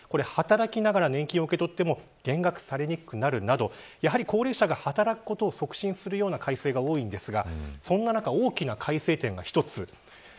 働きながら年金を受け取っても減額されにくくなるなど高齢者が働くことを促進するような改正が多いんですがそんな中、大きな改正点が一つ。